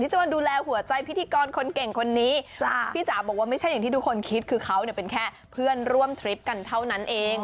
ชาวเน็ตก็เลยมาโน่